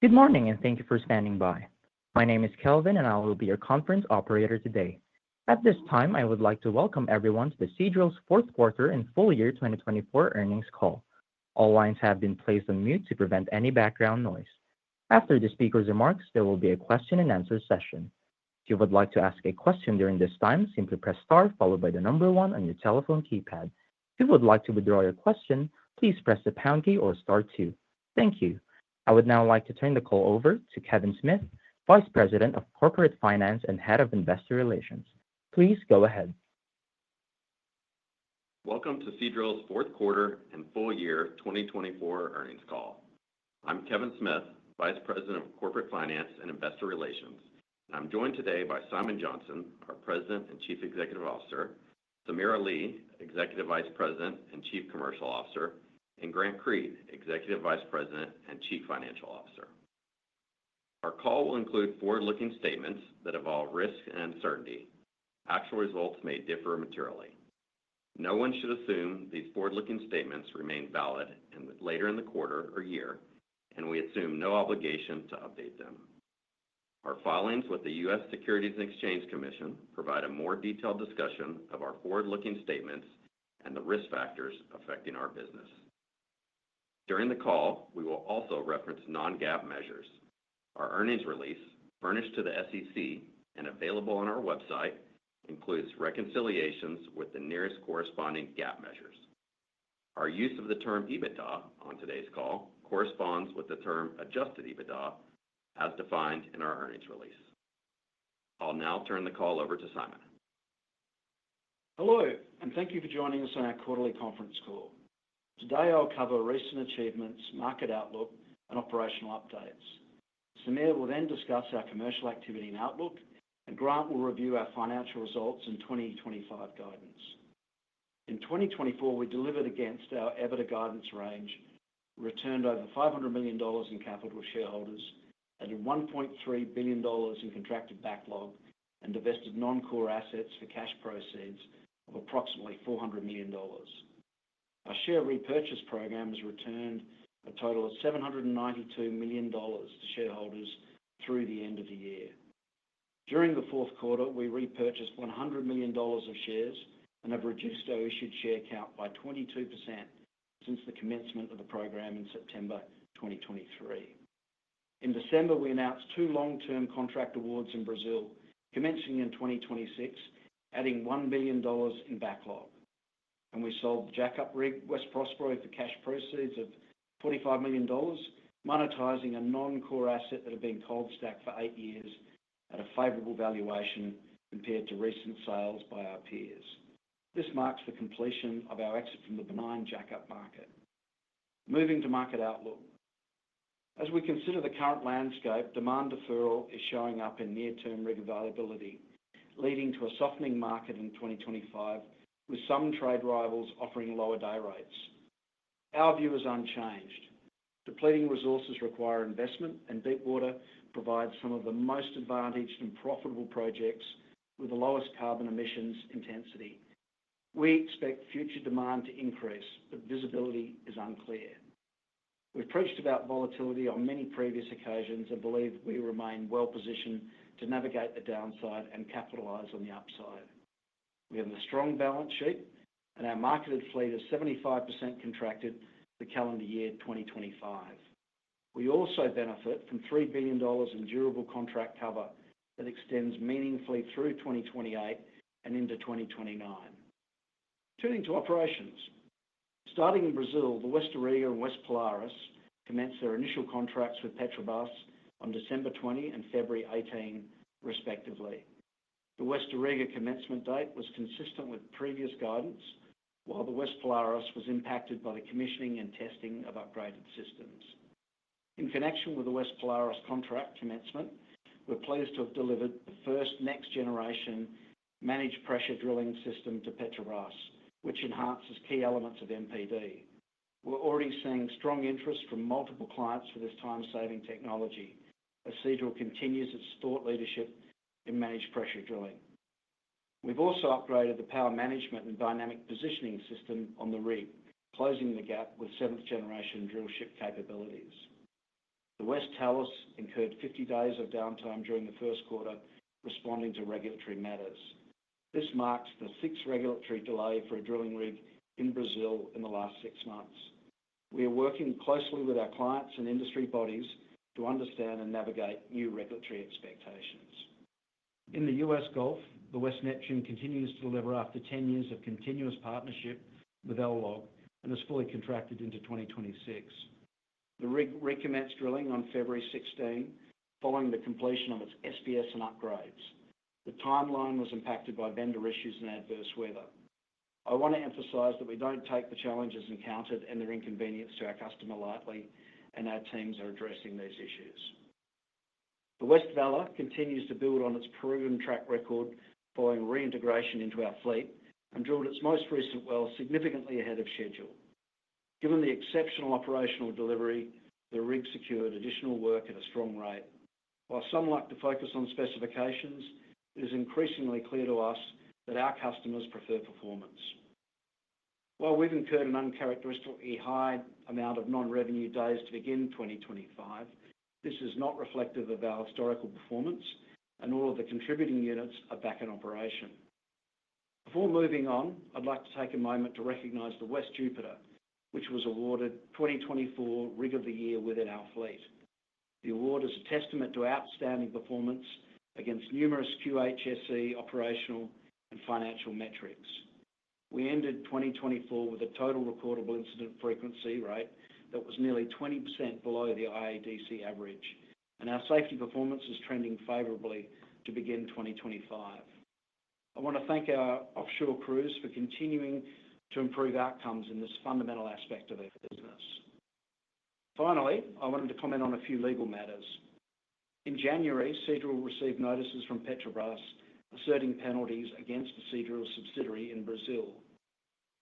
Good morning, and thank you for standing by. My name is Kelvin, and I will be your conference operator today. At this time, I would like to welcome everyone to the Seadrill's fourth quarter and full year 2024 earnings call. All lines have been placed on mute to prevent any background noise. After the speaker's remarks, there will be a question-and-answer session. If you would like to ask a question during this time, simply press star followed by the number one on your telephone keypad. If you would like to withdraw your question, please press the pound key or star two. Thank you. I would now like to turn the call over to Kevin Smith, Vice President of Corporate Finance and Head of Investor Relations. Please go ahead. Welcome to Seadrill's fourth quarter and full year 2024 earnings call. I'm Kevin Smith, Vice President of Corporate Finance and Investor Relations. I'm joined today by Simon Johnson, our President and Chief Executive Officer, Samir Ali, Executive Vice President and Chief Commercial Officer, and Grant Creed, Executive Vice President and Chief Financial Officer. Our call will include forward-looking statements that involve risk and uncertainty. Actual results may differ materially. No one should assume these forward-looking statements remain valid later in the quarter or year, and we assume no obligation to update them. Our filings with the U.S. Securities and Exchange Commission provide a more detailed discussion of our forward-looking statements and the risk factors affecting our business. During the call, we will also reference non-GAAP measures. Our earnings release, furnished to the SEC and available on our website, includes reconciliations with the nearest corresponding GAAP measures. Our use of the term EBITDA on today's call corresponds with the term Adjusted EBITDA, as defined in our earnings release. I'll now turn the call over to Simon. Hello, and thank you for joining us on our quarterly conference call. Today, I'll cover recent achievements, market outlook, and operational updates. Samir will then discuss our commercial activity and outlook, and Grant will review our financial results and 2025 guidance. In 2024, we delivered against our EBITDA guidance range, returned over $500 million in capital to shareholders, added $1.3 billion in contracted backlog, and divested non-core assets for cash proceeds of approximately $400 million. Our share repurchase program has returned a total of $792 million to shareholders through the end of the year. During the fourth quarter, we repurchased $100 million of shares and have reduced our issued share count by 22% since the commencement of the program in September 2023. In December, we announced two long-term contract awards in Brazil, commencing in 2026, adding $1 billion in backlog. And we sold the jack-up rig West Prospero for cash proceeds of $45 million, monetizing a non-core asset that had been cold-stacked for eight years at a favorable valuation compared to recent sales by our peers. This marks the completion of our exit from the benign jack-up market. Moving to market outlook. As we consider the current landscape, demand deferral is showing up in near-term rig availability, leading to a softening market in 2025, with some trade rivals offering lower day rates. Our view is unchanged. Depleting resources require investment, and deep water provides some of the most advantaged and profitable projects with the lowest carbon emissions intensity. We expect future demand to increase, but visibility is unclear. We've preached about volatility on many previous occasions and believe we remain well-positioned to navigate the downside and capitalize on the upside. We have a strong balance sheet, and our marketed fleet is 75% contracted for calendar year 2025. We also benefit from $3 billion in durable contract cover that extends meaningfully through 2028 and into 2029. Turning to operations. Starting in Brazil, the West Auriga and West Polaris commenced their initial contracts with Petrobras on December 20 and February 18, respectively. The West Auriga commencement date was consistent with previous guidance, while the West Polaris was impacted by the commissioning and testing of upgraded systems. In connection with the West Polaris contract commencement, we're pleased to have delivered the first next-generation managed pressure drilling system to Petrobras, which enhances key elements of MPD. We're already seeing strong interest from multiple clients for this time-saving technology. Seadrill continues its thought leadership in managed pressure drilling. We've also upgraded the power management and dynamic positioning system on the rig, closing the gap with seventh-generation drillship capabilities. The West Tellus incurred 50 days of downtime during the first quarter, responding to regulatory matters. This marks the sixth regulatory delay for a drilling rig in Brazil in the last six months. We are working closely with our clients and industry bodies to understand and navigate new regulatory expectations. In the U.S. Gulf, the West Neptune continues to deliver after 10 years of continuous partnership with LLOG and is fully contracted into 2026. The rig recommenced drilling on February 16, following the completion of its SPS and upgrades. The timeline was impacted by vendor issues and adverse weather. I want to emphasize that we don't take the challenges encountered and their inconvenience to our customer lightly, and our teams are addressing these issues. The West Vela continues to build on its proven track record following reintegration into our fleet and drilled its most recent well significantly ahead of schedule. Given the exceptional operational delivery, the rig secured additional work at a strong rate. While some like to focus on specifications, it is increasingly clear to us that our customers prefer performance. While we've incurred an uncharacteristically high amount of non-revenue days to begin 2025, this is not reflective of our historical performance, and all of the contributing units are back in operation. Before moving on, I'd like to take a moment to recognize the West Jupiter, which was awarded 2024 Rig of the Year within our fleet. The award is a testament to outstanding performance against numerous QHSE operational and financial metrics. We ended 2024 with a total recordable incident frequency rate that was nearly 20% below the IADC average, and our safety performance is trending favorably to begin 2025. I want to thank our offshore crews for continuing to improve outcomes in this fundamental aspect of our business. Finally, I wanted to comment on a few legal matters. In January, Seadrill received notices from Petrobras asserting penalties against the Seadrill subsidiary in Brazil.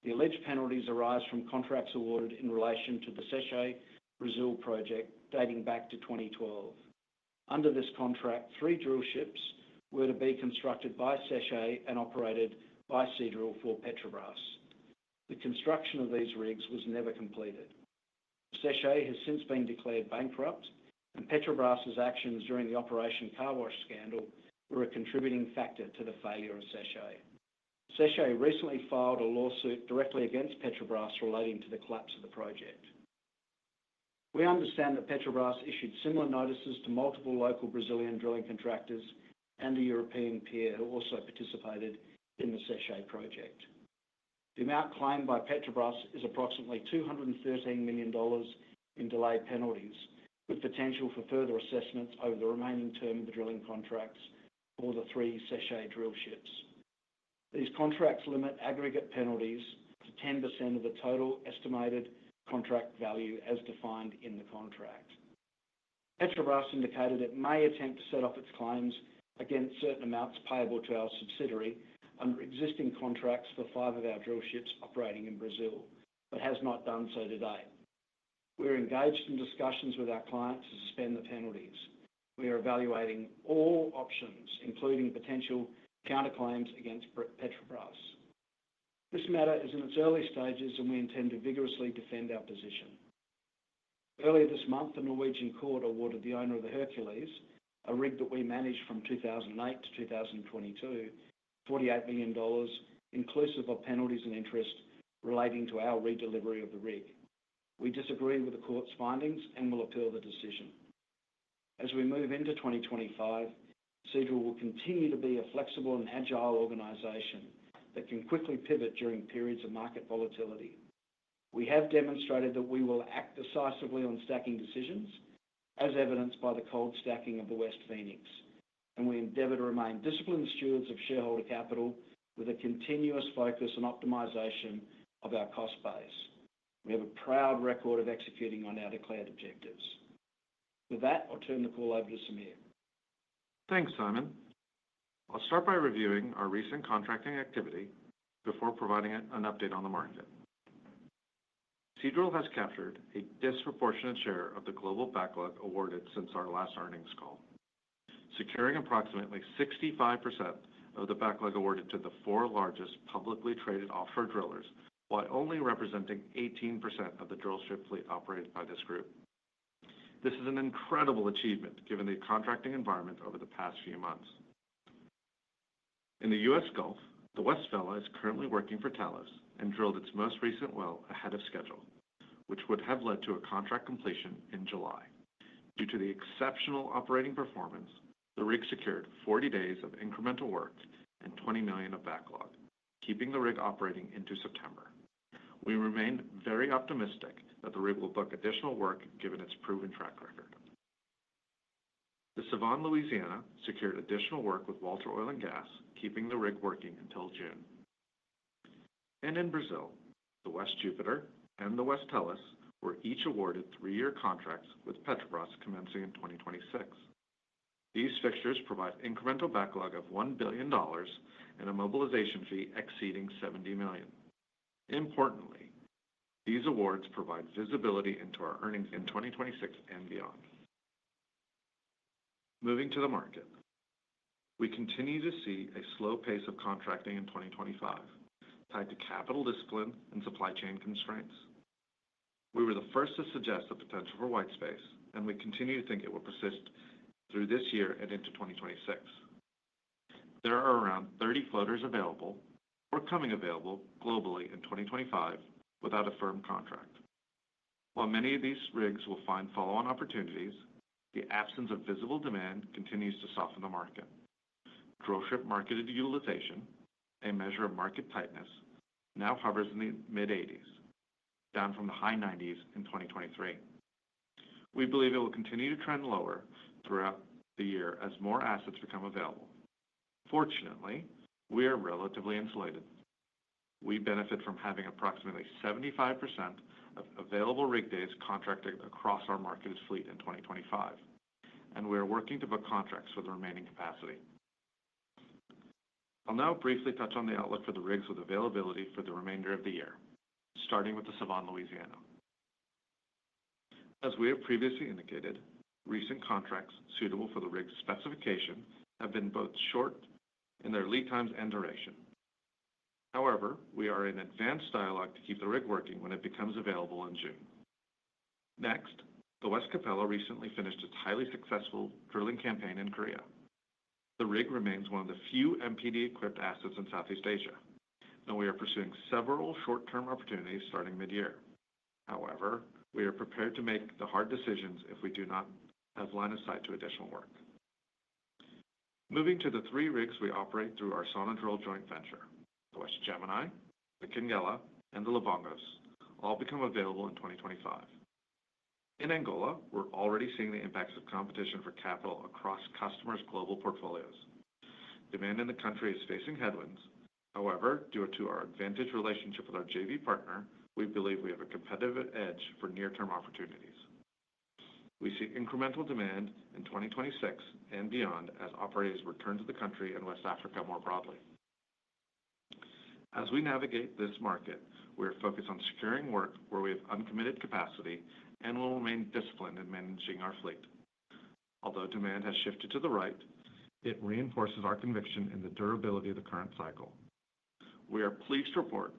The alleged penalties arise from contracts awarded in relation to the Sete Brasil project dating back to 2012. Under this contract, three drillships were to be constructed by Sete and operated by Seadrill for Petrobras. The construction of these rigs was never completed. Sete has since been declared bankrupt, and Petrobras's actions during the Operation Car Wash scandal were a contributing factor to the failure of Sete. Brasil recently filed a lawsuit directly against Petrobras relating to the collapse of the project. We understand that Petrobras issued similar notices to multiple local Brazilian drilling contractors and the European peer who also participated in the Sete Brasil project. The amount claimed by Petrobras is approximately $213 million in delayed penalties, with potential for further assessments over the remaining term of the drilling contracts for the three Sete Brasil drill ships. These contracts limit aggregate penalties to 10% of the total estimated contract value as defined in the contract. Petrobras indicated it may attempt to set off its claims against certain amounts payable to our subsidiary under existing contracts for five of our drill ships operating in Brazil, but has not done so to date. We're engaged in discussions with our clients to suspend the penalties. We are evaluating all options, including potential counterclaims against Petrobras. This matter is in its early stages, and we intend to vigorously defend our position. Earlier this month, the Norwegian court awarded the owner of the Hercules, a rig that we managed from 2008 to 2022, $48 million, inclusive of penalties and interest relating to our redelivery of the rig. We disagree with the court's findings and will appeal the decision. As we move into 2025, Seadrill will continue to be a flexible and agile organization that can quickly pivot during periods of market volatility. We have demonstrated that we will act decisively on stacking decisions, as evidenced by the cold stacking of the West Phoenix, and we endeavor to remain disciplined stewards of shareholder capital with a continuous focus on optimization of our cost base. We have a proud record of executing on our declared objectives. With that, I'll turn the call over to Samir. Thanks, Simon. I'll start by reviewing our recent contracting activity before providing an update on the market. Seadrill has captured a disproportionate share of the global backlog awarded since our last earnings call, securing approximately 65% of the backlog awarded to the four largest publicly traded offshore drillers, while only representing 18% of the drillship fleet operated by this group. This is an incredible achievement given the contracting environment over the past few months. In the U.S. Gulf, the West Vela is currently working for Talos and drilled its most recent well ahead of schedule, which would have led to a contract completion in July. Due to the exceptional operating performance, the rig secured 40 days of incremental work and $20 million of backlog, keeping the rig operating into September. We remain very optimistic that the rig will book additional work given its proven track record. The Sevan Louisiana secured additional work with Walter Oil & Gas, keeping the rig working until June, and in Brazil, the West Jupiter and the West Tellus were each awarded three-year contracts with Petrobras commencing in 2026. These fixtures provide incremental backlog of $1 billion and a mobilization fee exceeding $70 million. Importantly, these awards provide visibility into our earnings in 2026 and beyond. Moving to the market. We continue to see a slow pace of contracting in 2025, tied to capital discipline and supply chain constraints. We were the first to suggest the potential for white space, and we continue to think it will persist through this year and into 2026. There are around 30 floaters available or coming available globally in 2025 without a firm contract. While many of these rigs will find follow-on opportunities, the absence of visible demand continues to soften the market. Drillship market utilization, a measure of market tightness, now hovers in the mid-80s, down from the high 90s in 2023. We believe it will continue to trend lower throughout the year as more assets become available. Fortunately, we are relatively insulated. We benefit from having approximately 75% of available rig days contracted across our marketed fleet in 2025, and we are working to book contracts for the remaining capacity. I'll now briefly touch on the outlook for the rigs with availability for the remainder of the year, starting with the Sevan Louisiana. As we have previously indicated, recent contracts suitable for the rig's specification have been both short in their lead times and duration. However, we are in advanced dialogue to keep the rig working when it becomes available in June. Next, the West Capella recently finished its highly successful drilling campaign in Korea. The rig remains one of the few MPD-equipped assets in Southeast Asia, and we are pursuing several short-term opportunities starting mid-year. However, we are prepared to make the hard decisions if we do not have lined up additional work. Moving to the three rigs we operate through our Sonadrill joint venture, the West Gemini, the Quenguela, and the Libongos, all become available in 2025. In Angola, we're already seeing the impacts of competition for capital across customers' global portfolios. Demand in the country is facing headwinds. However, due to our advantageous relationship with our JV partner, we believe we have a competitive edge for near-term opportunities. We see incremental demand in 2026 and beyond as operators return to the country and West Africa more broadly. As we navigate this market, we are focused on securing work where we have uncommitted capacity and will remain disciplined in managing our fleet. Although demand has shifted to the right, it reinforces our conviction in the durability of the current cycle. We are pleased to report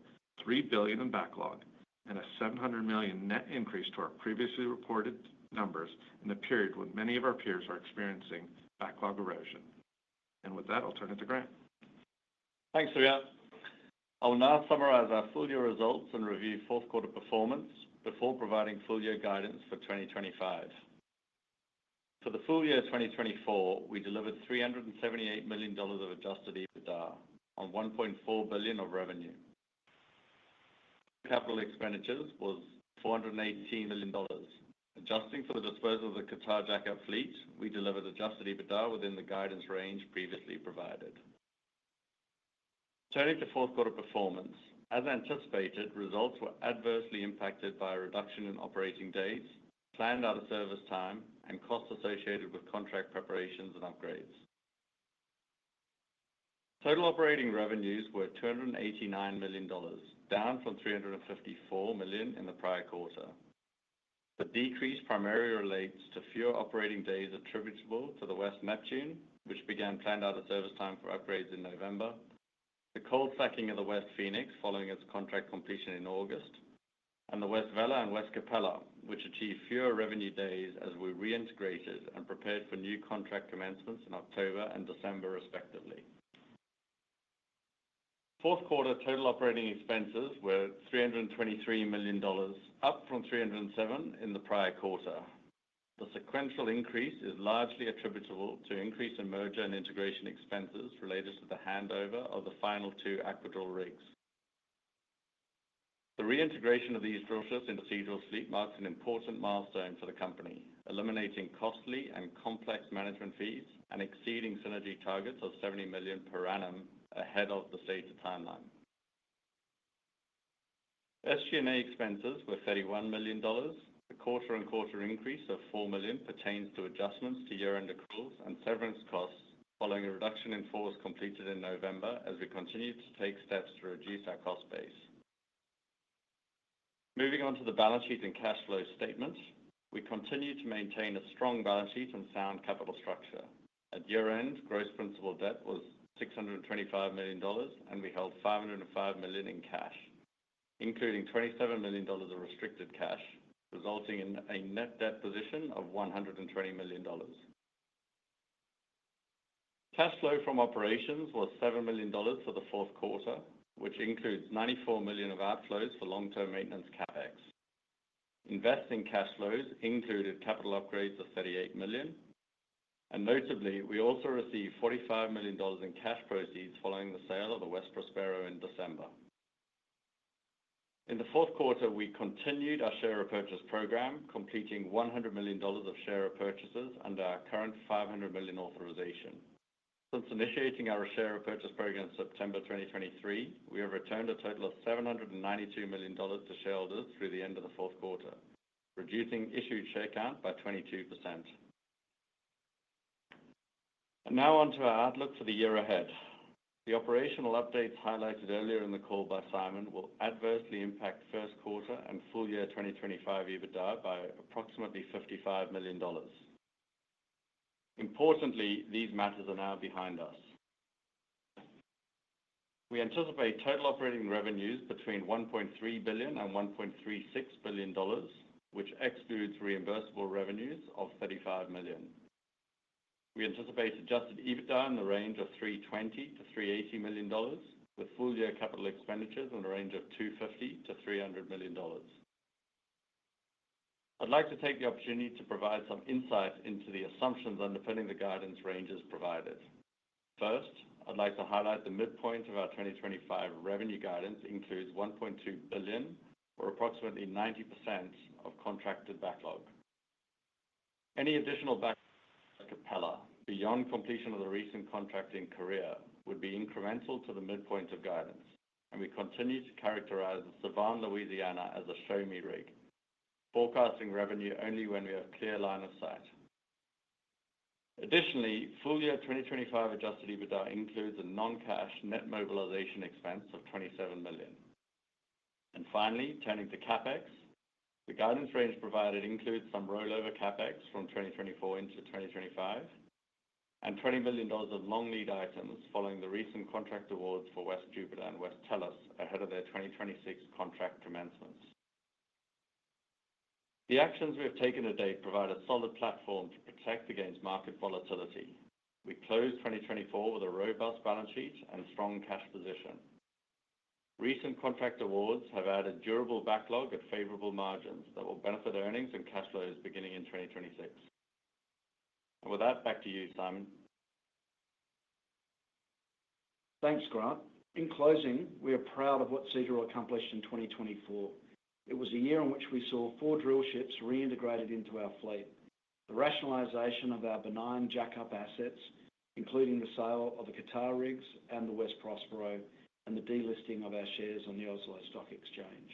$3 billion in backlog and a $700 million net increase to our previously reported numbers in a period when many of our peers are experiencing backlog erosion. And with that, I'll turn it to Grant. Thanks, Samir. I will now summarize our full-year results and review fourth-quarter performance before providing full-year guidance for 2025. For the full year 2024, we delivered $378 million of Adjusted EBITDA on $1.4 billion of revenue. Capital expenditures was $418 million. Adjusting for the disposal of the Qatar jack-up fleet, we delivered Adjusted EBITDA within the guidance range previously provided. Turning to fourth-quarter performance, as anticipated, results were adversely impacted by a reduction in operating days, planned out-of-service time, and costs associated with contract preparations and upgrades. Total operating revenues were $289 million, down from $354 million in the prior quarter. The decrease primarily relates to fewer operating days attributable to the West Neptune, which began planned out-of-service time for upgrades in November, the cold stacking of the West Phoenix following its contract completion in August, and the West Vela and West Capella, which achieved fewer revenue days as we reintegrated and prepared for new contract commencements in October and December, respectively. Fourth quarter total operating expenses were $323 million, up from $307 million in the prior quarter. The sequential increase is largely attributable to increased merger and integration expenses related to the handover of the final two Aquadrill rigs. The reintegration of these drill ships into Seadrill's fleet marks an important milestone for the company, eliminating costly and complex management fees and exceeding synergy targets of $70 million per annum ahead of the stated timeline. SG&A expenses were $31 million. The quarter-on-quarter increase of $4 million pertains to adjustments to year-end accruals and severance costs following a reduction in floors completed in November as we continue to take steps to reduce our cost base. Moving on to the balance sheet and cash flow statement, we continue to maintain a strong balance sheet and sound capital structure. At year-end, gross principal debt was $625 million, and we held $505 million in cash, including $27 million of restricted cash, resulting in a net debt position of $120 million. Cash flow from operations was $7 million for the fourth quarter, which includes $94 million of outflows for long-term maintenance CapEx. Investing cash flows included capital upgrades of $38 million, and notably, we also received $45 million in cash proceeds following the sale of the West Prospero in December. In the fourth quarter, we continued our share repurchase program, completing $100 million of share repurchases under our current $500 million authorization. Since initiating our share repurchase program in September 2023, we have returned a total of $792 million to shareholders through the end of the fourth quarter, reducing issued share count by 22%. Now on to our outlook for the year ahead. The operational updates highlighted earlier in the call by Simon will adversely impact first quarter and full year 2025 EBITDA by approximately $55 million. Importantly, these matters are now behind us. We anticipate total operating revenues between $1.3 billion and $1.36 billion, which excludes reimbursable revenues of $35 million. We anticipate adjusted EBITDA in the range of $320 to $380 million, with full-year capital expenditures in the range of $250 to $300 million. I'd like to take the opportunity to provide some insight into the assumptions underpinning the guidance ranges provided. First, I'd like to highlight the midpoint of our 2025 revenue guidance includes $1.2 billion, or approximately 90% of contracted backlog. Any additional backlog at Capella beyond completion of the recent contract in Korea would be incremental to the midpoint of guidance, and we continue to characterize the Sevan Louisiana as a show-me rig, forecasting revenue only when we have a clear line of sight. Additionally, full-year 2025 Adjusted EBITDA includes a non-cash net mobilization expense of $27 million, and finally, turning to CapEx, the guidance range provided includes some rollover CapEx from 2024 into 2025 and $20 million of long lead items following the recent contract awards for West Jupiter and West Tellus ahead of their 2026 contract commencements. The actions we have taken to date provide a solid platform to protect against market volatility. We closed 2024 with a robust balance sheet and strong cash position. Recent contract awards have added durable backlog at favorable margins that will benefit earnings and cash flows beginning in 2026, and with that, back to you, Simon. Thanks, Grant. In closing, we are proud of what Seadrill accomplished in 2024. It was a year in which we saw four drillships reintegrated into our fleet, the rationalization of our remaining jack-up assets, including the sale of the Qatar rigs and the West Prospero, and the delisting of our shares on the Oslo Stock Exchange.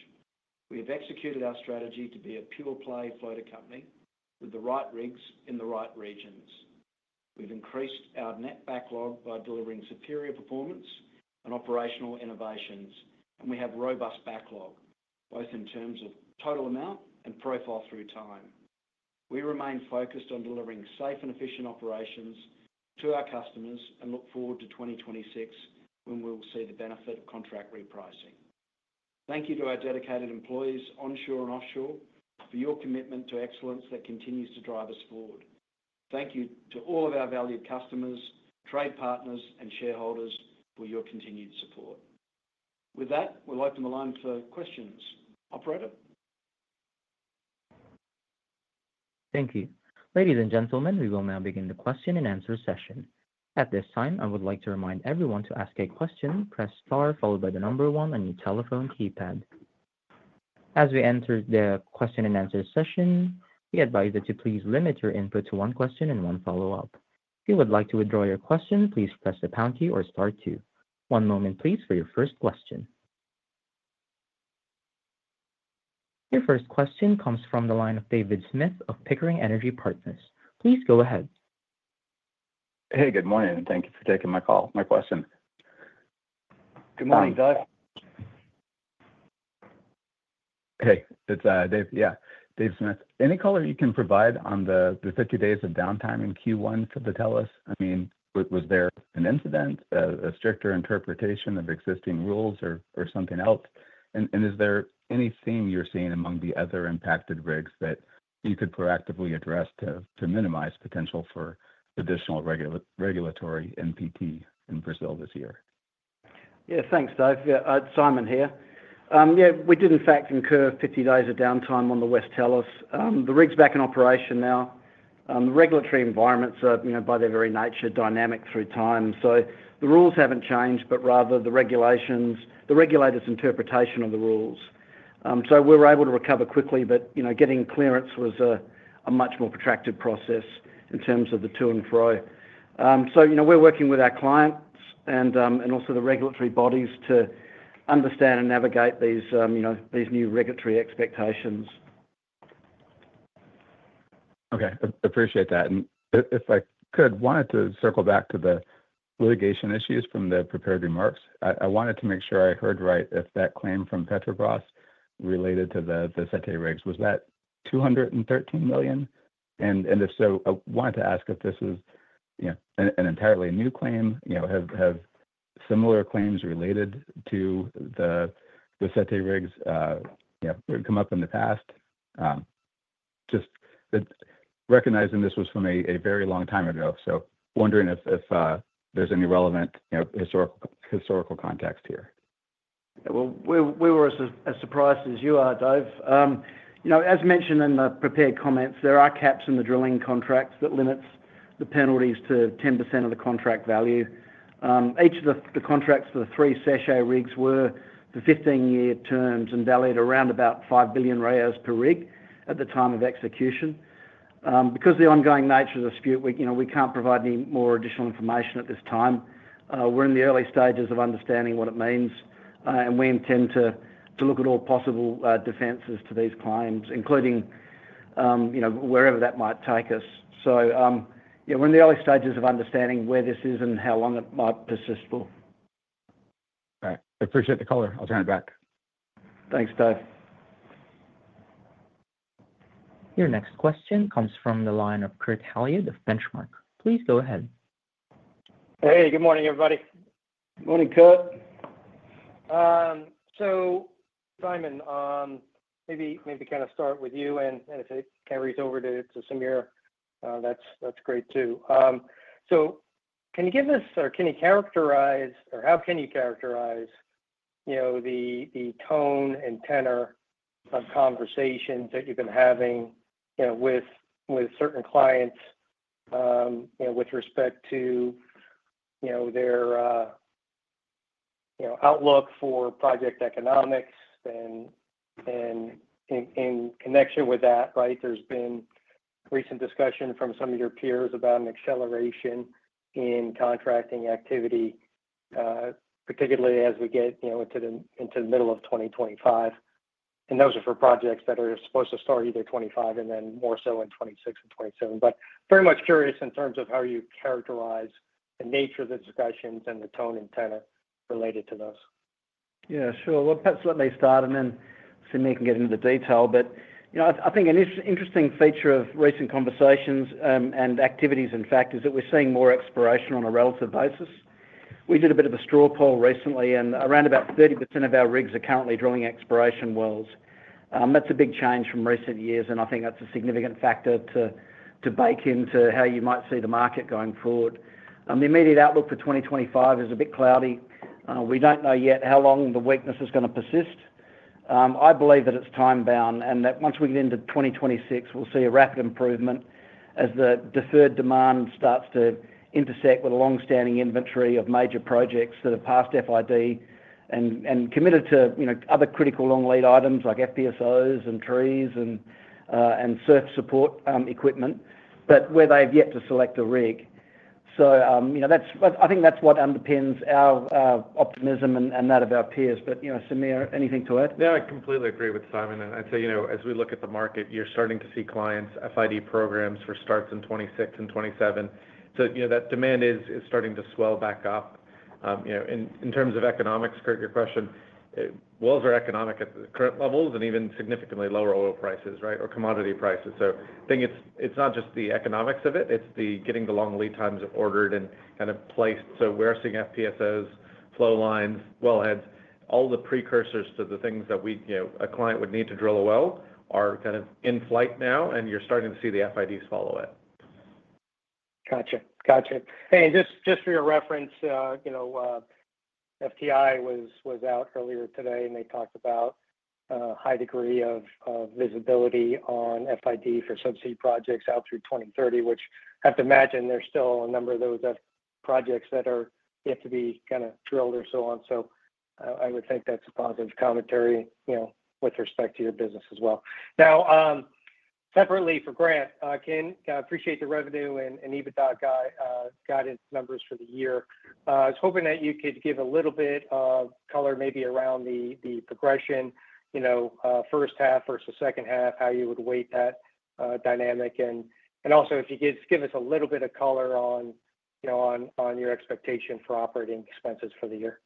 We have executed our strategy to be a pure-play floater company with the right rigs in the right regions. We've increased our net backlog by delivering superior performance and operational innovations, and we have robust backlog, both in terms of total amount and profile through time. We remain focused on delivering safe and efficient operations to our customers and look forward to 2026 when we will see the benefit of contract repricing. Thank you to our dedicated employees onshore and offshore for your commitment to excellence that continues to drive us forward. Thank you to all of our valued customers, trade partners, and shareholders for your continued support. With that, we'll open the line for questions. Operator. Thank you. Ladies and gentlemen, we will now begin the question and answer session. At this time, I would like to remind everyone to ask a question, press star followed by the number one on your telephone keypad. As we enter the question and answer session, we advise that you please limit your input to one question and one follow-up. If you would like to withdraw your question, please press the pound key or star two. One moment, please, for your first question. Your first question comes from the line of David Smith of Pickering Energy Partners. Please go ahead. Hey, good morning. Thank you for taking my call, my question. Good morning, Dave. Hey, it's Dave, yeah, Dave Smith. Any color you can provide on the 50 days of downtime in Q1 for the Talos? I mean, was there an incident, a stricter interpretation of existing rules, or something else? And is there any theme you're seeing among the other impacted rigs that you could proactively address to minimize potential for additional regulatory NPT in Brazil this year? Yeah, thanks, Dave. Simon here. Yeah, we did, in fact, incur 50 days of downtime on the West Tellus. The rig's back in operation now. The regulatory environments are, by their very nature, dynamic through time. So the rules haven't changed, but rather the regulator's interpretation of the rules. So we were able to recover quickly, but getting clearance was a much more protracted process in terms of the to and fro. So we're working with our clients and also the regulatory bodies to understand and navigate these new regulatory expectations. Okay, appreciate that. And if I could, I wanted to circle back to the litigation issues from the prepared remarks. I wanted to make sure I heard right if that claim from Petrobras related to the Sete rigs. Was that $213 million? And if so, I wanted to ask if this is an entirely new claim. Have similar claims related to the Sete rigs come up in the past? Just recognizing this was from a very long time ago, so wondering if there's any relevant historical context here. We were as surprised as you are, Dave. As mentioned in the prepared comments, there are caps in the drilling contracts that limit the penalties to 10% of the contract value. Each of the contracts for the three Sete rigs were for 15-year terms and valued around about $5 billion per rig at the time of execution. Because of the ongoing nature of the dispute, we can't provide any more additional information at this time. We're in the early stages of understanding what it means, and we intend to look at all possible defenses to these claims, including wherever that might take us. So we're in the early stages of understanding where this is and how long it might persist for. All right. I appreciate the color. I'll turn it back. Thanks, Dave. Your next question comes from the line of Kurt Hallead of Benchmark. Please go ahead. Hey, good morning, everybody. Morning, Kurt. So, Simon, maybe kind of start with you, and if it can reach over to Samir, that's great too. So can you give us, or can you characterize, or how can you characterize the tone and tenor of conversations that you've been having with certain clients with respect to their outlook for project economics? And in connection with that, right, there's been recent discussion from some of your peers about an acceleration in contracting activity, particularly as we get into the middle of 2025. And those are for projects that are supposed to start either 2025 and then more so in 2026 and 2027. But very much curious in terms of how you characterize the nature of the discussions and the tone and tenor related to those. Yeah, sure. Perhaps let me start and then see if we can get into the detail. But I think an interesting feature of recent conversations and activities, in fact, is that we're seeing more exploration on a relative basis. We did a bit of a straw poll recently, and around about 30% of our rigs are currently drilling exploration wells. That's a big change from recent years, and I think that's a significant factor to bake into how you might see the market going forward. The immediate outlook for 2025 is a bit cloudy. We don't know yet how long the weakness is going to persist. I believe that it's time-bound and that once we get into 2026, we'll see a rapid improvement as the deferred demand starts to intersect with a long-standing inventory of major projects that have passed FID and committed to other critical long lead items like FPSOs and trees and SURF support equipment, but where they've yet to select a rig. So I think that's what underpins our optimism and that of our peers. But Samir, anything to add? Yeah, I completely agree with Simon. I'd say as we look at the market, you're starting to see clients FID programs for starts in 2026 and 2027. So that demand is starting to swell back up. In terms of economics, Kurt, your question, wells are economic at the current levels and even significantly lower oil prices, right, or commodity prices. So I think it's not just the economics of it, it's getting the long lead times ordered and kind of placed. So we're seeing FPSOs, flow lines, wellheads, all the precursors to the things that a client would need to drill a well are kind of in flight now, and you're starting to see the FIDs follow it. Gotcha. Gotcha. Hey, just for your reference, FTI was out earlier today, and they talked about a high degree of visibility on FID for subsea projects out through 2030, which I have to imagine there's still a number of those projects that have to be kind of drilled or so on. So I would think that's a positive commentary with respect to your business as well. Now, separately for Grant, I appreciate the revenue and EBITDA guidance numbers for the year. I was hoping that you could give a little bit of color maybe around the progression, first half versus second half, how you would weight that dynamic. And also, if you could give us a little bit of color on your expectation for operating expenses for the year.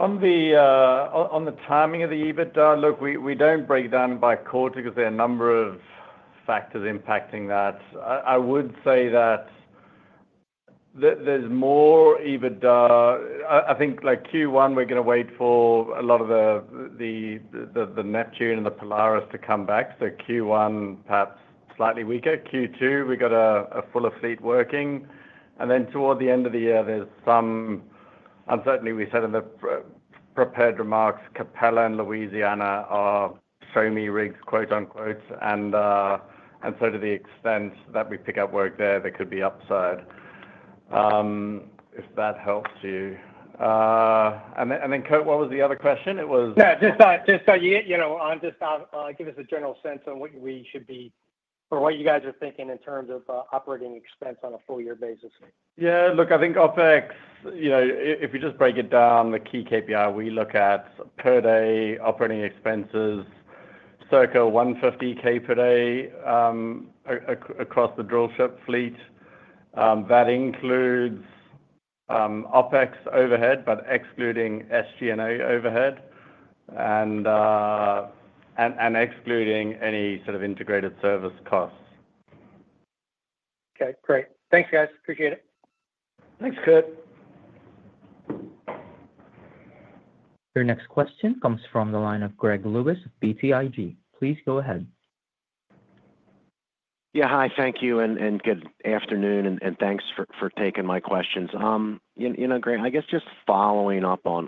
On the timing of the EBITDA, look, we don't break down by quarter because there are a number of factors impacting that. I would say that there's more EBITDA. I think Q1, we're going to wait for a lot of the Neptune and the Polaris to come back. So Q1, perhaps slightly weaker. Q2, we've got a full fleet working. And then toward the end of the year, there's some uncertainty, we said in the prepared remarks, Capella and Louisiana are "show-me rigs," quote unquote. And so to the extent that we pick up work there, there could be upside, if that helps you. And then, Kurt, what was the other question? It was. Yeah, just so you give us a general sense on what we should be or what you guys are thinking in terms of operating expense on a full-year basis. Yeah, look, I think OPEX, if we just break it down, the key KPI we look at per day operating expenses, circa $150,000 per day across the drill ship fleet. That includes OPEX overhead, but excluding SG&A overhead and excluding any sort of integrated service costs. Okay, great. Thanks, guys. Appreciate it. Thanks, Kurt. Your next question comes from the line of Greg Lewis of BTIG. Please go ahead. Yeah, hi, thank you and good afternoon, and thanks for taking my questions. You know, Grant, I guess just following up on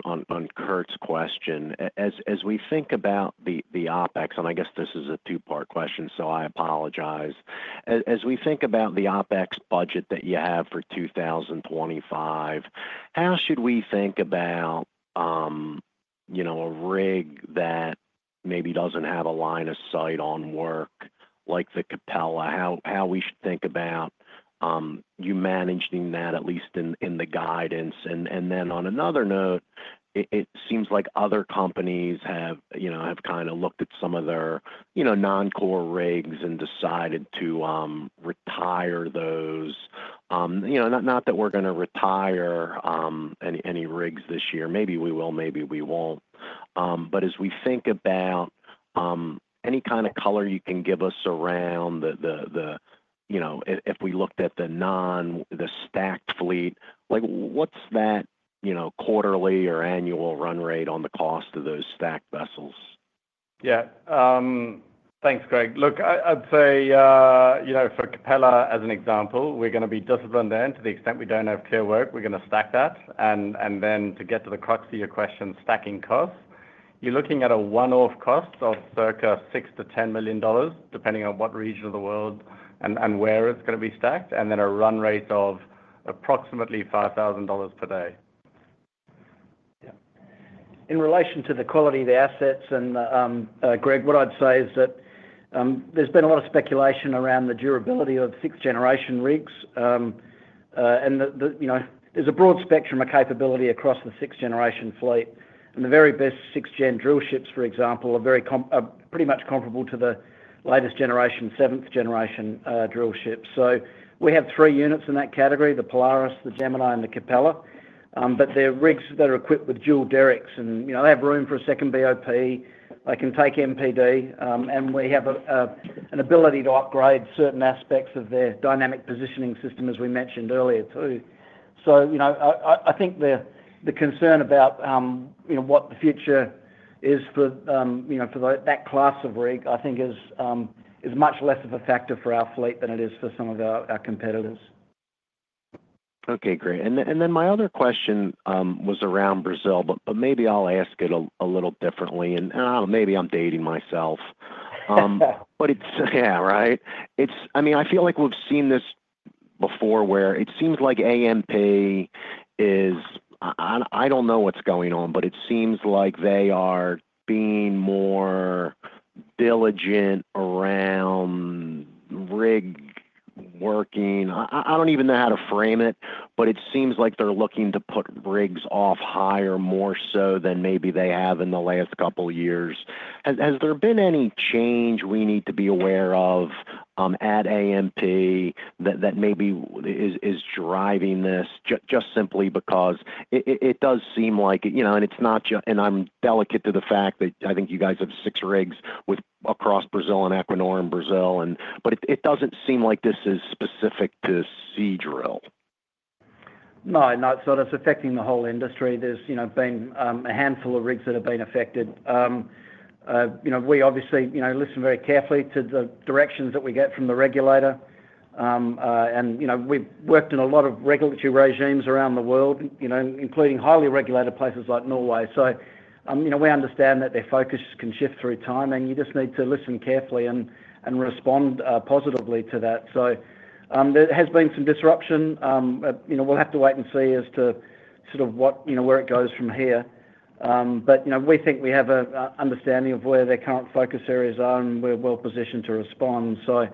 Kurt's question, as we think about the OpEx, and I guess this is a two-part question, so I apologize. As we think about the OpEx budget that you have for 2025, how should we think about a rig that maybe doesn't have a line of sight on work like the Capella? How should we think about you managing that, at least in the guidance? And then on another note, it seems like other companies have kind of looked at some of their non-core rigs and decided to retire those. Not that we're going to retire any rigs this year. Maybe we will, maybe we won't. But as we think about any kind of color you can give us around the, if we looked at the stacked fleet, what's that quarterly or annual run rate on the cost of those stacked vessels? Yeah, thanks, Greg. Look, I'd say for Capella, as an example, we're going to be disciplined there to the extent we don't have clear work, we're going to stack that. And then to get to the crux of your question, stacking costs, you're looking at a one-off cost of circa $6-$10 million, depending on what region of the world and where it's going to be stacked, and then a run rate of approximately $5,000 per day. Yeah. In relation to the quality of the assets, and Greg, what I'd say is that there's been a lot of speculation around the durability of sixth-generation rigs. And there's a broad spectrum of capability across the sixth-generation fleet. And the very best sixth-gen drill ships, for example, are pretty much comparable to the latest generation, seventh-generation drill ships. So we have three units in that category, the Polaris, the Gemini, and the Capella. But they're rigs that are equipped with dual derricks, and they have room for a second BOP. They can take MPD, and we have an ability to upgrade certain aspects of their dynamic positioning system, as we mentioned earlier, too. So I think the concern about what the future is for that class of rig, I think, is much less of a factor for our fleet than it is for some of our competitors. Okay, great. And then my other question was around Brazil, but maybe I'll ask it a little differently. And maybe I'm dating myself. But it's, yeah, right? I mean, I feel like we've seen this before where it seems like ANP is, I don't know what's going on, but it seems like they are being more diligent around rig working. I don't even know how to frame it, but it seems like they're looking to put rigs off-hire more so than maybe they have in the last couple of years. Has there been any change we need to be aware of at ANP that maybe is driving this just simply because it does seem like, and it's not just, and I'm sensitive to the fact that I think you guys have six rigs across Brazil and Equinor in Brazil, but it doesn't seem like this is specific to Seadrill. No, not so it's affecting the whole industry. There's been a handful of rigs that have been affected. We obviously listen very carefully to the directions that we get from the regulator. And we've worked in a lot of regulatory regimes around the world, including highly regulated places like Norway. So we understand that their focus can shift through time, and you just need to listen carefully and respond positively to that. So there has been some disruption. We'll have to wait and see as to sort of where it goes from here. But we think we have an understanding of where their current focus areas are, and we're well positioned to respond. So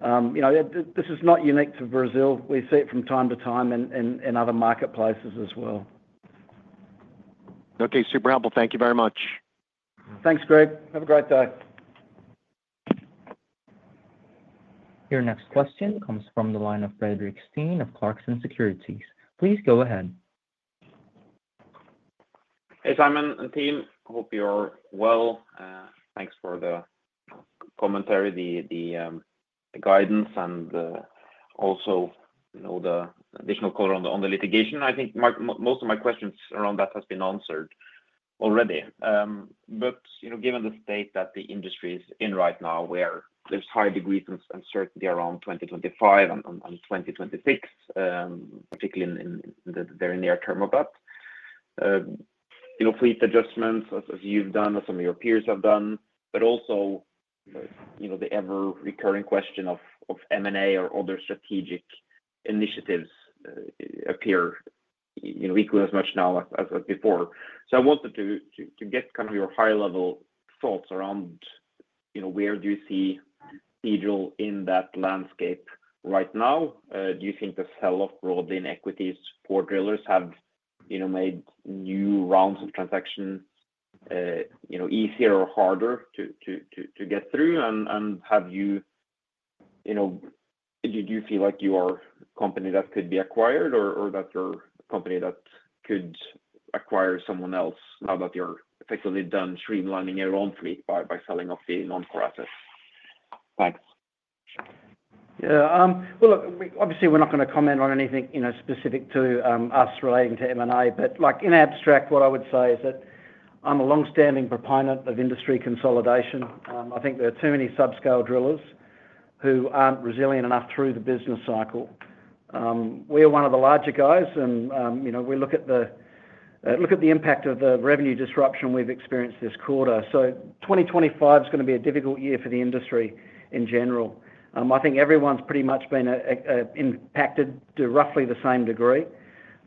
this is not unique to Brazil. We see it from time to time in other marketplaces as well. Okay, super helpful. Thank you very much. Thanks, Greg. Have a great day. Your next question comes from the line of Fredrik Stene of Clarksons Securities. Please go ahead. Hey, Simon, and team. Hope you're well. Thanks for the commentary, the guidance, and also the additional color on the litigation. I think most of my questions around that have been answered already. But given the state that the industry is in right now, where there's high degrees of uncertainty around 2025 and 2026, particularly in the very near term of that, fleet adjustments, as you've done, as some of your peers have done, but also the ever-recurring question of M&A or other strategic initiatives appear equally as much now as before. So I wanted to get kind of your high-level thoughts around where do you see Seadrill in that landscape right now? Do you think the sell-off brought in equities for drillers have made new rounds of transactions easier or harder to get through? Do you feel like you are a company that could be acquired or that you're a company that could acquire someone else now that you're effectively done streamlining your own fleet by selling off the non-core assets? Thanks. Yeah. Well, look, obviously, we're not going to comment on anything specific to us relating to M&A, but in abstract, what I would say is that I'm a long-standing proponent of industry consolidation. I think there are too many subscale drillers who aren't resilient enough through the business cycle. We're one of the larger guys, and we look at the impact of the revenue disruption we've experienced this quarter. So 2025 is going to be a difficult year for the industry in general. I think everyone's pretty much been impacted to roughly the same degree.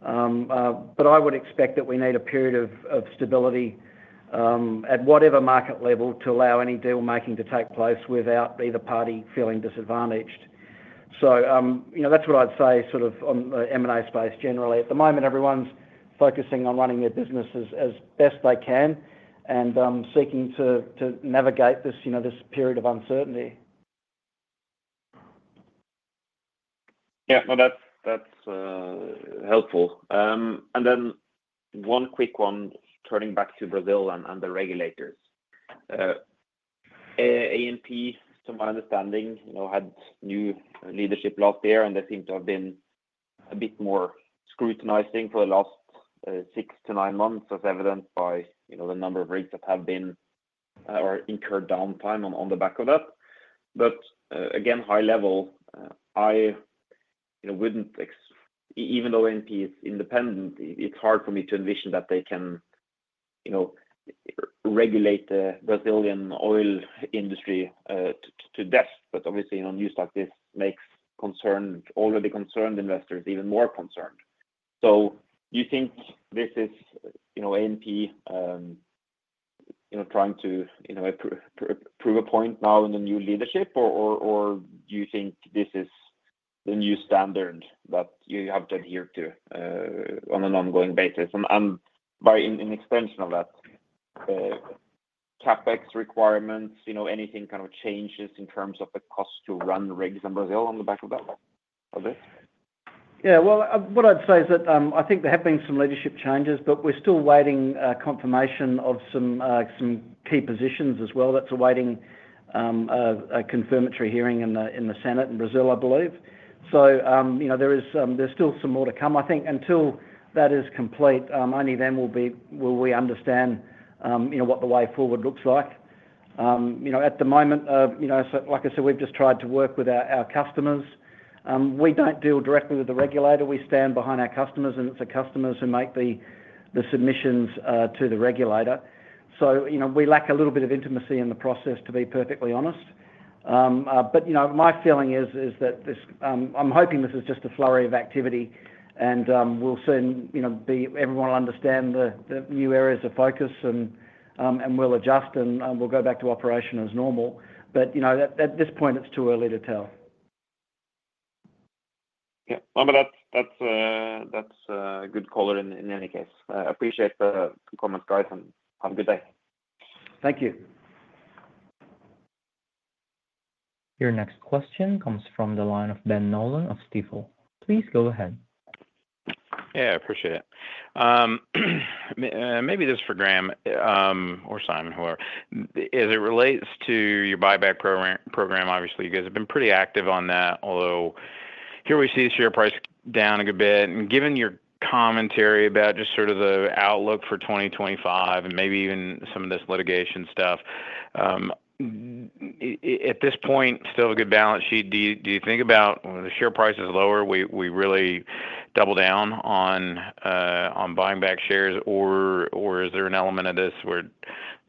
But I would expect that we need a period of stability at whatever market level to allow any deal-making to take place without either party feeling disadvantaged. So that's what I'd say sort of on the M&A space generally. At the moment, everyone's focusing on running their businesses as best they can and seeking to navigate this period of uncertainty. Yeah, well, that's helpful. And then one quick one, turning back to Brazil and the regulators. ANP, to my understanding, had new leadership last year, and they seem to have been a bit more scrutinizing for the last six to nine months, as evidenced by the number of rigs that have been or incurred downtime on the back of that. But again, high level, I wouldn't, even though ANP is independent, it's hard for me to envision that they can regulate the Brazilian oil industry to death. But obviously, news like this makes already concerned investors even more concerned. So do you think this is ANP trying to prove a point now in the new leadership, or do you think this is the new standard that you have to adhere to on an ongoing basis? And by an extension of that, CapEx requirements, anything kind of changes in terms of the cost to run rigs in Brazil on the back of that? Yeah, well, what I'd say is that I think there have been some leadership changes, but we're still waiting confirmation of some key positions as well. That's awaiting a confirmatory hearing in the Senate in Brazil, I believe. So there's still some more to come. I think until that is complete, only then will we understand what the way forward looks like. At the moment, like I said, we've just tried to work with our customers. We don't deal directly with the regulator. We stand behind our customers, and it's the customers who make the submissions to the regulator. So we lack a little bit of intimacy in the process, to be perfectly honest. But my feeling is that I'm hoping this is just a flurry of activity, and we'll soon be able to understand the new areas of focus, and we'll adjust, and we'll go back to operation as normal. But at this point, it's too early to tell. Yeah, that's a good color in any case. I appreciate the comments, guys, and have a good day. Thank you. Your next question comes from the line of Ben Nolan of Stifel. Please go ahead. Yeah, I appreciate it. Maybe this is for Grant or Simon, whoever. As it relates to your buyback program, obviously, you guys have been pretty active on that, although here we see the share price down a good bit. Given your commentary about just sort of the outlook for 2025 and maybe even some of this litigation stuff, at this point, still a good balance sheet. Do you think about when the share price is lower, we really double down on buying back shares, or is there an element of this where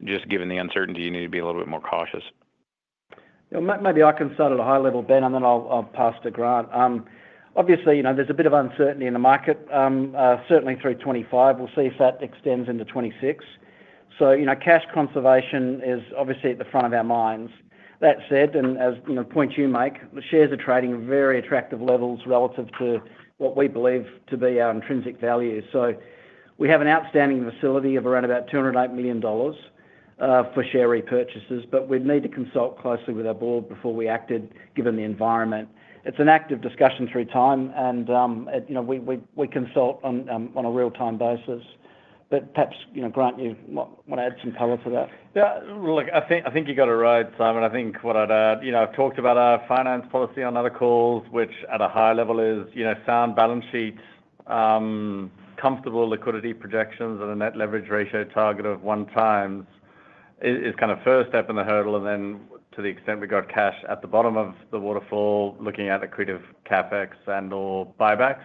just given the uncertainty, you need to be a little bit more cautious? Maybe I can start at a high level, Ben, and then I'll pass to Grant. Obviously, there's a bit of uncertainty in the market, certainly through 2025. We'll see if that extends into 2026. So cash conservation is obviously at the front of our minds. That said, and as the point you make, the shares are trading at very attractive levels relative to what we believe to be our intrinsic value. So we have an outstanding facility of around about $208 million for share repurchases, but we'd need to consult closely with our board before we acted, given the environment. It's an active discussion through time, and we consult on a real-time basis. But perhaps, Grant, you want to add some color to that? Yeah, look, I think you got it right, Simon. I think what I'd add, I've talked about our finance policy on other calls, which at a high level is sound balance sheets, comfortable liquidity projections, and a net leverage ratio target of one times is kind of the first step in the hurdle, and then to the extent we've got cash at the bottom of the waterfall, looking at accretive CapEx and/or buybacks.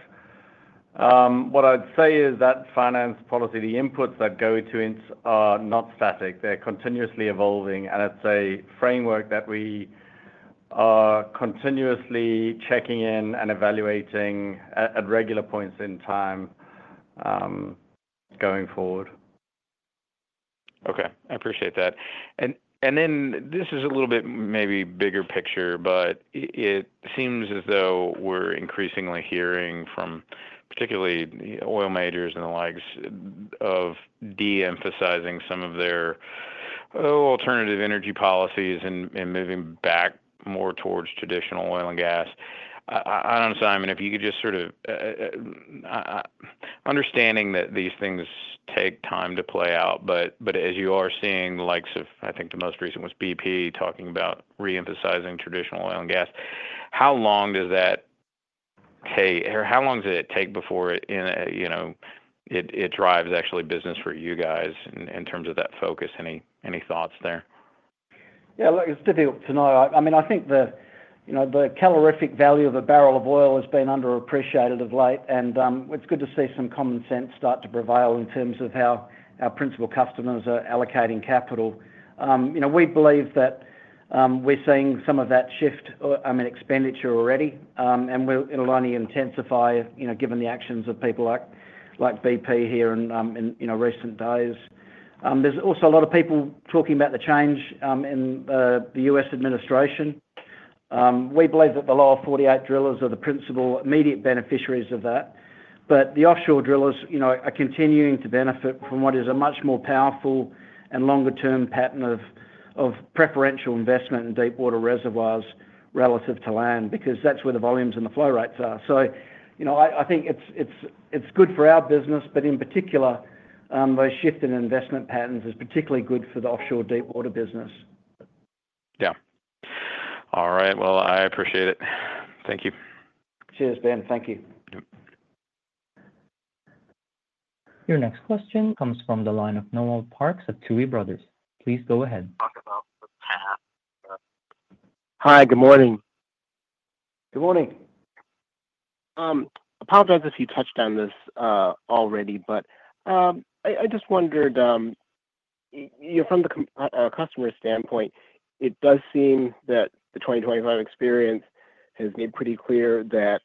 What I'd say is that finance policy, the inputs that go to it are not static. They're continuously evolving, and it's a framework that we are continuously checking in and evaluating at regular points in time going forward. Okay, I appreciate that. Then this is a little bit maybe bigger picture, but it seems as though we're increasingly hearing from particularly oil majors and the likes of de-emphasizing some of their alternative energy policies and moving back more towards traditional oil and gas. I don't know, Simon, if you could just sort of understanding that these things take time to play out, but as you are seeing the likes of, I think the most recent was BP talking about re-emphasizing traditional oil and gas, how long does that take, or how long does it take before it drives actually business for you guys in terms of that focus? Any thoughts there? Yeah, look, it's difficult to know. I mean, I think the calorific value of a barrel of oil has been underappreciated of late, and it's good to see some common sense start to prevail in terms of how our principal customers are allocating capital. We believe that we're seeing some of that shift in expenditure already, and it'll only intensify given the actions of people like BP here in recent days. There's also a lot of people talking about the change in the U.S. administration. We believe that the Lower 48 drillers are the principal immediate beneficiaries of that. But the offshore drillers are continuing to benefit from what is a much more powerful and longer-term pattern of preferential investment in deep-water reservoirs relative to land because that's where the volumes and the flow rates are. So I think it's good for our business, but in particular, those shifted investment patterns are particularly good for the offshore deep-water business. Yeah. All right. I appreciate it. Thank you. Cheers, Ben. Thank you. Your next question comes from the line of Noel Parks at Tuohy Brothers. Please go ahead. Talk about the path. Hi, good morning. Good morning. Apologize if you touched on this already, but I just wondered, from the customer standpoint, it does seem that the 2025 experience has made pretty clear that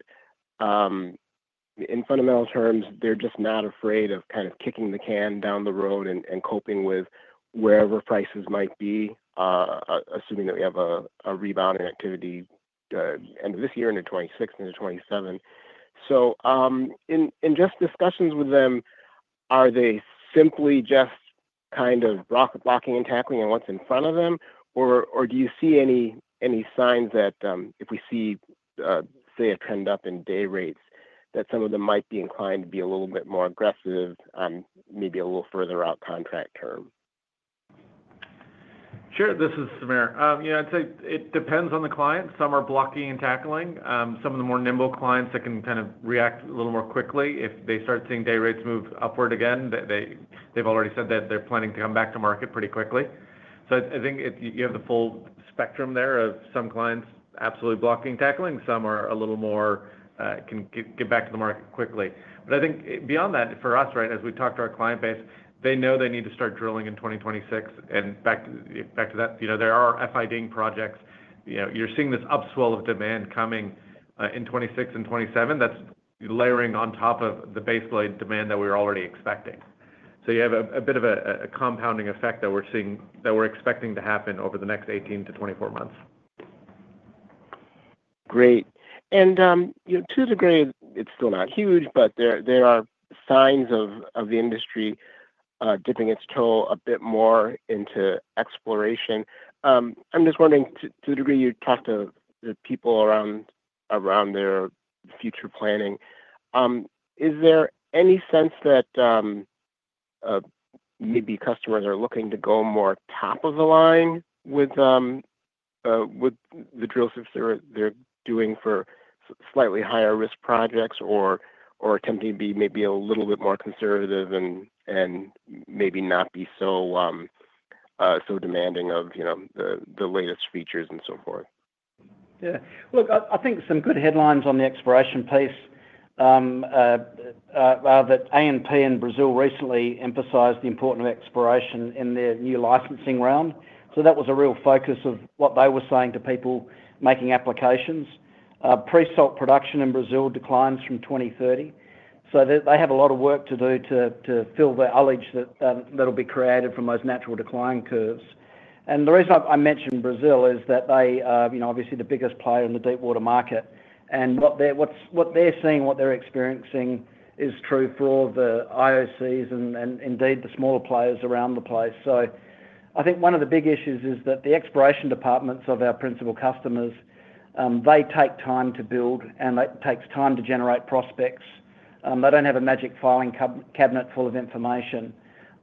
in fundamental terms, they're just not afraid of kind of kicking the can down the road and coping with wherever prices might be, assuming that we have a rebound in activity end of this year, end of 2026, end of 2027. So in just discussions with them, are they simply just kind of blocking and tackling on what's in front of them, or do you see any signs that if we see, say, a trend up in day rates, that some of them might be inclined to be a little bit more aggressive on maybe a little further out contract term? Sure. This is Samir. I'd say it depends on the client. Some are blocking and tackling. Some of the more nimble clients, they can kind of react a little more quickly. If they start seeing day rates move upward again, they've already said that they're planning to come back to market pretty quickly, so I think you have the full spectrum there of some clients absolutely blocking and tackling. Some are a little more can get back to the market quickly, but I think beyond that, for us, right, as we talk to our client base, they know they need to start drilling in 2026, and back to that, there are FIDing projects. You're seeing this upswell of demand coming in 2026 and 2027. That's layering on top of the baseline demand that we were already expecting. You have a bit of a compounding effect that we're expecting to happen over the next 18-24 months. Great. And to a degree, it's still not huge, but there are signs of the industry dipping its toe a bit more into exploration. I'm just wondering, to the degree you talked to the people around their future planning, is there any sense that maybe customers are looking to go more top of the line with the drills that they're doing for slightly higher-risk projects or attempting to be maybe a little bit more conservative and maybe not be so demanding of the latest features and so forth? Yeah. Look, I think some good headlines on the exploration piece are that ANP in Brazil recently emphasized the importance of exploration in their new licensing round. So that was a real focus of what they were saying to people making applications. Pre-salt production in Brazil declines from 2030. So they have a lot of work to do to fill the ullage that'll be created from those natural decline curves. And the reason I mentioned Brazil is that they are obviously the biggest player in the deep-water market. And what they're seeing, what they're experiencing is true for all the IOCs and indeed the smaller players around the place. So I think one of the big issues is that the exploration departments of our principal customers, they take time to build, and it takes time to generate prospects. They don't have a magic filing cabinet full of information.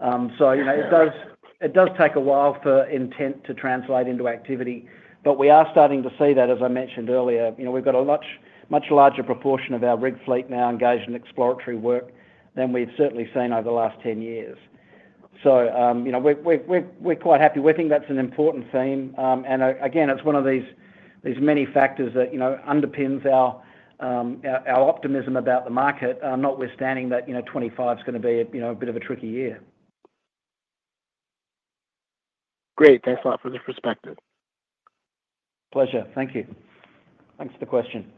So it does take a while for intent to translate into activity. But we are starting to see that, as I mentioned earlier. We've got a much larger proportion of our rig fleet now engaged in exploratory work than we've certainly seen over the last 10 years. So we're quite happy. We think that's an important theme. And again, it's one of these many factors that underpins our optimism about the market, notwithstanding that 2025 is going to be a bit of a tricky year. Great. Thanks a lot for the perspective. Pleasure. Thank you. Thanks for the question.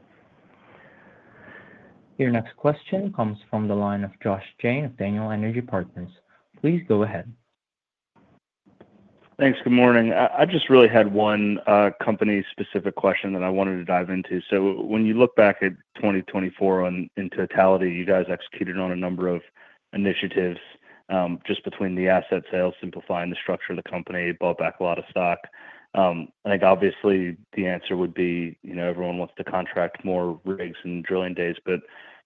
Your next question comes from the line of Josh Jayne of Daniel Energy Partners. Please go ahead. Thanks. Good morning. I just really had one company-specific question that I wanted to dive into. So when you look back at 2024 in totality, you guys executed on a number of initiatives just between the asset sales, simplifying the structure of the company, bought back a lot of stock. I think obviously the answer would be everyone wants to contract more rigs and drilling days. But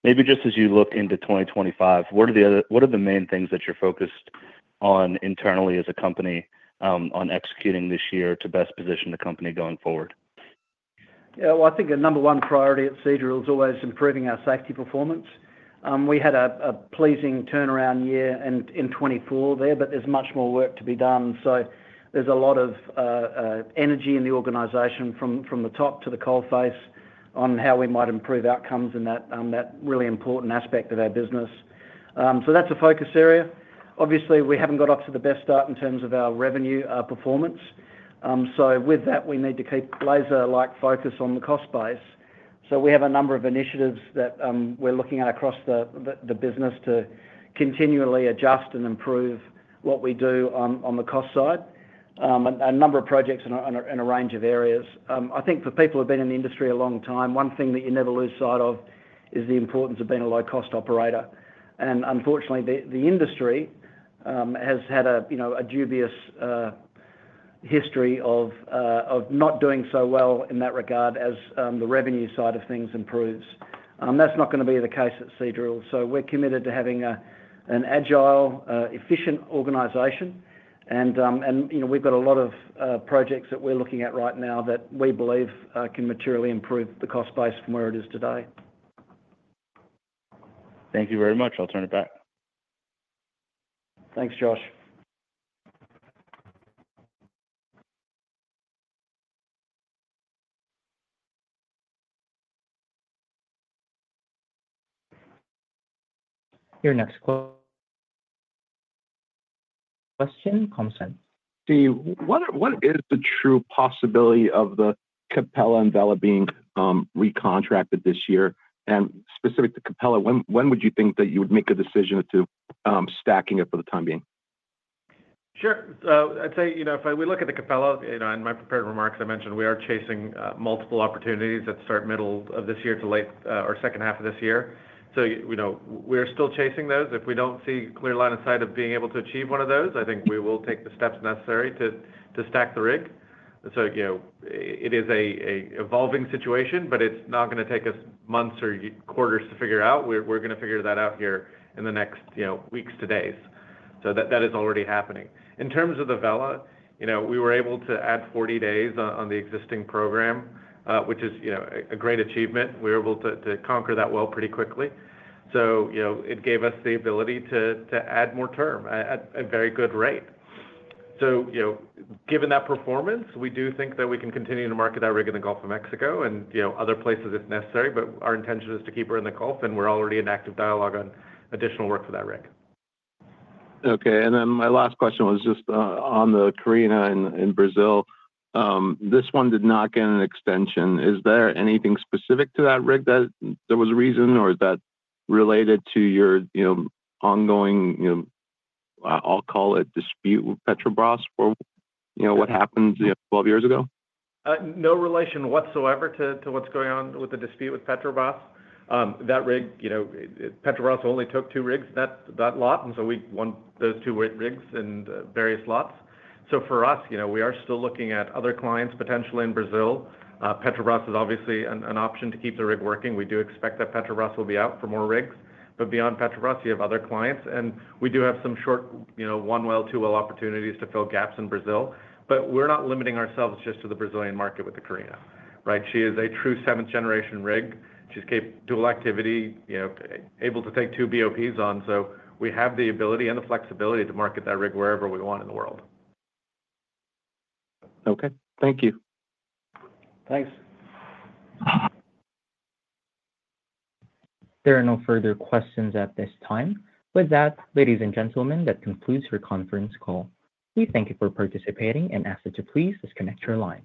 maybe just as you look into 2025, what are the main things that you're focused on internally as a company on executing this year to best position the company going forward? Yeah, well, I think a number one priority at Seadrill is always improving our safety performance. We had a pleasing turnaround year in 2024 there, but there's much more work to be done. So there's a lot of energy in the organization from the top to the coalface on how we might improve outcomes in that really important aspect of our business. So that's a focus area. Obviously, we haven't got off to the best start in terms of our revenue performance. So with that, we need to keep laser-like focus on the cost base. So we have a number of initiatives that we're looking at across the business to continually adjust and improve what we do on the cost side, a number of projects in a range of areas. I think for people who have been in the industry a long time, one thing that you never lose sight of is the importance of being a low-cost operator. And unfortunately, the industry has had a dubious history of not doing so well in that regard as the revenue side of things improves. That's not going to be the case at Seadrill. So we're committed to having an agile, efficient organization. And we've got a lot of projects that we're looking at right now that we believe can materially improve the cost base from where it is today. Thank you very much. I'll turn it back. Thanks, Josh. Your next question, Tom. Samir, what is the true possibility of the Capella and Vela being recontracted this year, and specific to Capella, when would you think that you would make a decision to stacking it for the time being? Sure. I'd say if we look at the Capella, in my prepared remarks, I mentioned we are chasing multiple opportunities at the start, middle of this year to late or second half of this year. So we're still chasing those. If we don't see a clear line of sight of being able to achieve one of those, I think we will take the steps necessary to stack the rig. So it is an evolving situation, but it's not going to take us months or quarters to figure out. We're going to figure that out here in the next weeks to days. So that is already happening. In terms of the Vela, we were able to add 40 days on the existing program, which is a great achievement. We were able to conquer that well pretty quickly. So it gave us the ability to add more term at a very good rate. So given that performance, we do think that we can continue to market that rig in the Gulf of Mexico and other places if necessary, but our intention is to keep her in the Gulf, and we're already in active dialogue on additional work for that rig. Okay. And then my last question was just on the Carina in Brazil. This one did not get an extension. Is there anything specific to that rig that there was a reason, or is that related to your ongoing, I'll call it dispute with Petrobras for what happened 12 years ago? No relation whatsoever to what's going on with the dispute with Petrobras. That rig, Petrobras only took two rigs, that lot, and so we won those two rigs in various lots. So for us, we are still looking at other clients potentially in Brazil. Petrobras is obviously an option to keep the rig working. We do expect that Petrobras will be out for more rigs. But beyond Petrobras, you have other clients. And we do have some short one-well, two-well opportunities to fill gaps in Brazil. But we're not limiting ourselves just to the Brazilian market with the Carina, right? She is a true seventh-generation rig. She's capable of dual activity, able to take two BOPs on. So we have the ability and the flexibility to market that rig wherever we want in the world. Okay. Thank you. Thanks. There are no further questions at this time. With that, ladies and gentlemen, that concludes her conference call. We thank you for participating and ask that you please disconnect your line.